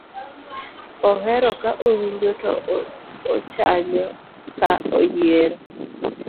ohero ka owinjo to ochanyo ka oyiero